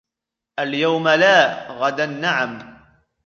اليوم لا ، غدا نعم.